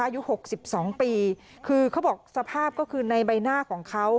อายุหกสิบสองปีคือเขาบอกสภาพก็คือในใบหน้าของเขา